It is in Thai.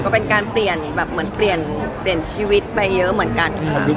ก็เป็นการเปลี่ยนแบบเหมือนเปลี่ยนชีวิตไปเยอะเหมือนกันค่ะ